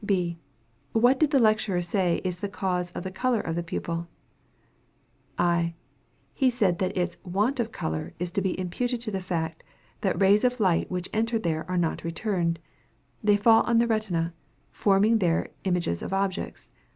B. What did the lecturer say is the cause of the color of the pupil? I. He said that its want of color is to be imputed to the fact that rays of light which enter there are not returned; they fall on the retina, forming there images of objects.